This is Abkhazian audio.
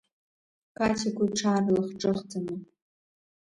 Катико иҽаарлахҿыхӡаны.